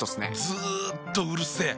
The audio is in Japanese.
ずっとうるせえ。